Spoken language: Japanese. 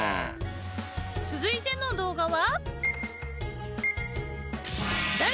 続いての動画は。